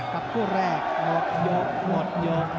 กับผู้แรกหมดยกหมดยก